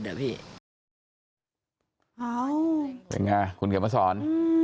แล้วอีกฝันคุณแขทมาสอน